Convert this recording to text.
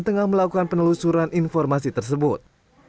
tengah melakukan penelusuran informasi tersebut